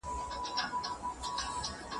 چیرې چې ستاسې فکر پراخ شي.